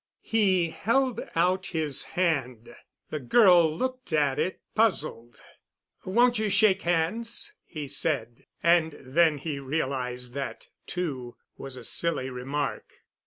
He held out his hand. The girl looked at it, puzzled. "Won't you shake hands?" he said; and then he realized that, too, was a silly remark.